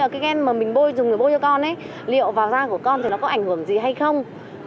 cái gen mà mình bôi dùng để bôi cho con ấy liệu vào da của con thì nó có ảnh hưởng gì hay không